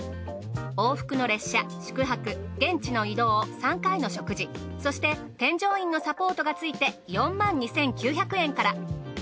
往復の列車宿泊現地の移動３回の食事そして添乗員のサポートがついて４２，９００円から。